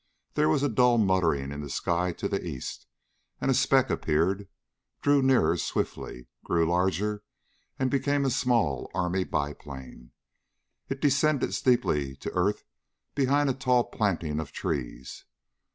There was a dull muttering in the sky to the east, and a speck appeared, drew nearer swiftly, grew larger, and became a small army biplane. It descended steeply to earth behind a tall planting of trees.